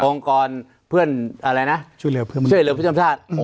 องค์กรช่วยเหลือผู้ชมชาติ